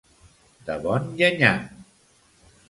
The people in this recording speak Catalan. De bon llenyam.